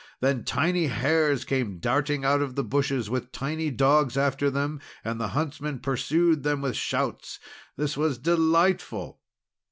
Then tiny hares came darting out of the bushes, with tiny dogs after them, and the huntsmen pursued them with shouts. This was delightful!